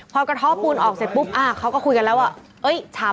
พอกระท่อปูนออกเสร็จปุ๊บเขาก็คุยกันแล้วว่า